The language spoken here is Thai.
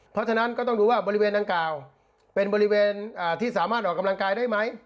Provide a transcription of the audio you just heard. เพราะฉะนั้นก็ต้องดูว่าบริเวณดังกล่าวเป็นบริเวณที่สามารถออกกำลังกายได้ไหม